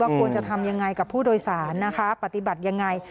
ว่าควรจะทำอย่างไรกับผู้โดยสารปฏิบัติอย่างไร